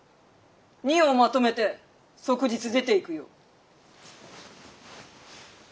荷をまとめて即日出ていくよう。